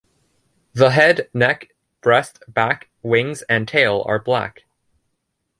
The head, neck, breast, back, wings and tail are black.